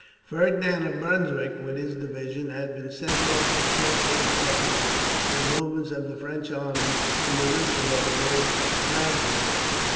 Ferdinand of Brunswick, with his division, had been sent off to check, if possible, the movements of the French army under Richelieu, near Magdeburg.